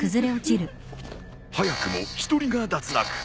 早くも１人が脱落。